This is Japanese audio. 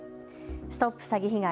ＳＴＯＰ詐欺被害！